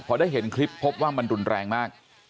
พอได้เห็นคลิปพบว่ามันรุนแรงมาก